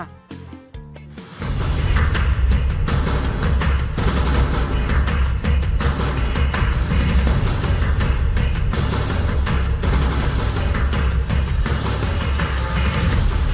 คุณนอนไว้ก่อน